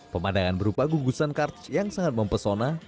pemandangan berupa gugusan karts yang sangat mempesona